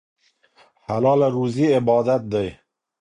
حلاله روزي عبادت دی.